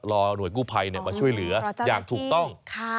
รอหน่วยกู้ไพรเนี่ยมาช่วยเหลืออย่างถูกต้อง